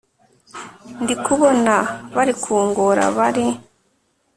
ndikubona bari kungora bari